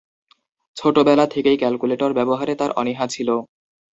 ছোটবেলা থেকেই ক্যালকুলেটর ব্যবহারে তার অনীহা ছিল।